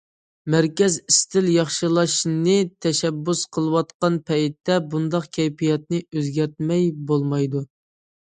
مەركەز ئىستىل ياخشىلاشنى تەشەببۇس قىلىۋاتقان پەيتتە، بۇنداق كەيپىياتنى ئۆزگەرتمەي بولمايدۇ.